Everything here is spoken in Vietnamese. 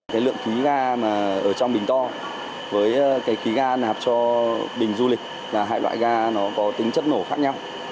cái lượng khí ga mà ở trong bình to với cái khí ga nạp cho bình du lịch là hai loại ga nó có tính chất nổ khác nhau